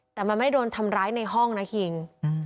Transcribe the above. แต่มันไม่ได้โดนทำร้ายในห้องนะคิง